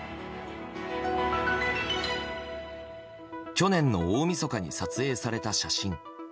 去年の大みそかに撮影された写真。